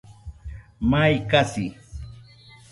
Mai kasi